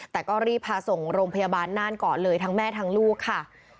แต่ก็รีบพาส่งโรงพยาบาลน่านก่อนเลยทั้งแม่ทั้งลูกค่ะ